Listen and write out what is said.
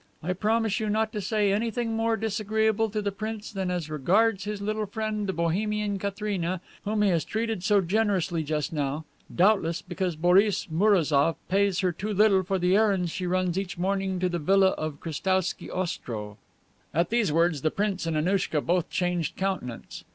I promise you not to say anything more disagreeable to the prince than as regards his little friend the Bohemian Katharina, whom he has treated so generously just now, doubtless because Boris Mourazoff pays her too little for the errands she runs each morning to the villa of Krestowsky Ostrow." At these words the Prince and Annouchka both changed countenance.